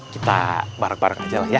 kita barek barek aja lah ya